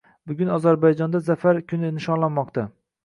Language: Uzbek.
Bugun Ozarbayjonda Zafar kuni nishonlanmoqdang